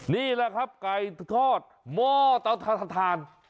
นี่แหละครับไก่ทอดหม้อเตาทาน